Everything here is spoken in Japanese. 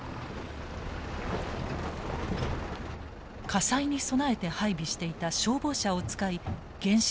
火災に備えて配備していた消防車を使い原子炉へ注水する。